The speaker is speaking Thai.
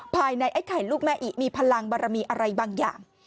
ไอ้ไข่ลูกแม่อิมีพลังบารมีอะไรบางอย่าง